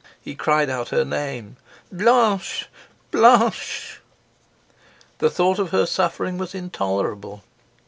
He cried out her name. "Blanche. Blanche." The thought of her suffering was intolerable.